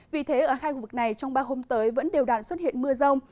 vì thế ở hai khu vực này trong ba hôm tới vẫn đều đạn xuất hiện mưa rông